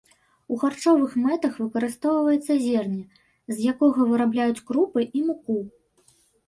У харчовых мэтах выкарыстоўваецца зерне, з якога вырабляюць крупы і муку.